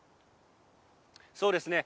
そうですね。